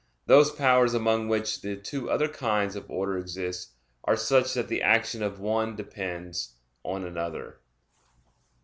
Those powers among which the two other kinds of order exist are such that the action of one depends on another.